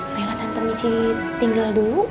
naila tante miji tinggal dulu